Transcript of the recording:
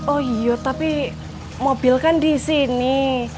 oh iya tapi mobil kan disini